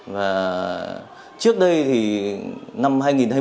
và trước đây thì năm hai nghìn hai mươi